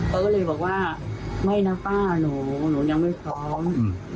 เขาก็เลยบอกว่าไม่นะป้าหนูหนูยังไม่พร้อม